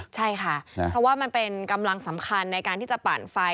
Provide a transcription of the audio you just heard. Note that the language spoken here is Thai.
ใช่ค่ะเพราะว่ามันเป็นกำลังสำคัญในการที่จะปั่นไฟ